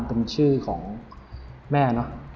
มีชื่อของแม่